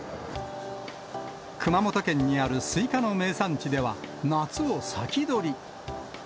熊本県にあるスイカの名産地では、夏を先取り。